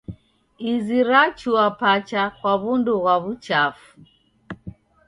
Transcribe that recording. Izi rachua pacha kwa w'undu ghwa w'uchafu.